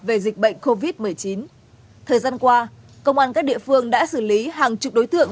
về dịch bệnh covid một mươi chín thời gian qua công an các địa phương đã xử lý hàng chục đối tượng